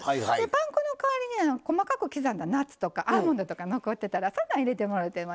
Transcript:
パン粉の代わりに細かく刻んだナッツとかアーモンドとか残ってたらそんなん入れてもろうてもいいと思います。